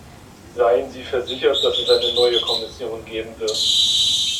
Seien Sie versichert, dass es eine neue Kommission geben wird.